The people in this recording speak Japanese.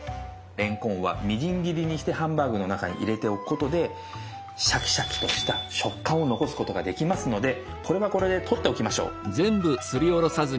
れんこんはみじん切りにしてハンバーグの中に入れておくことでシャキシャキとした食感を残すことができますのでこれはこれで取っておきましょう。